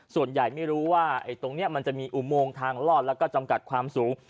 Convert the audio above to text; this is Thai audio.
ส่วนใหญ่ไม่รู้ว่าตรงนี้มันจะมีอุโมงทางลอดแล้วก็จำกัดความสูง